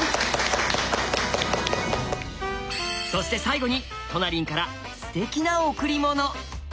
そして最後にトナリンからすてきな贈り物。